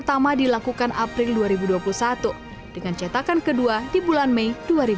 pertama dilakukan april dua ribu dua puluh satu dengan cetakan kedua di bulan mei dua ribu dua puluh